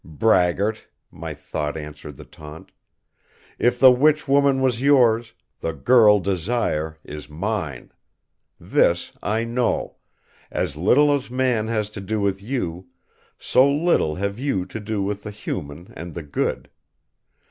"Braggart!" my thought answered the taunt. "If the witch woman was yours, the girl Desire is mine. This I know: as little as man has to do with you, so little have you to do with the human and the good.